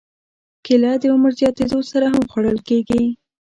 کېله د عمر زیاتېدو سره هم خوړل کېږي.